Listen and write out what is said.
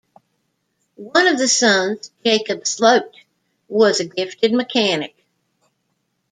One of the sons, Jacob Sloat, was a gifted mechanic.